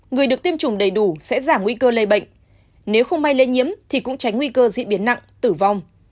người được tiêm chủng đầy đủ sẽ giảm nguy cơ lây bệnh nếu không may lây nhiễm thì cũng tránh nguy cơ diễn biến nặng tử vong